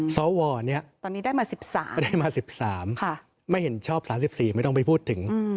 สวตอนนี้ได้มา๑๓ไม่เห็นชอบ๓๔ไม่ต้องไปพูดถึง